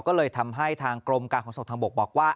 ก็เลยทำให้ทางกรมการขนส่งทางบกบอกว่า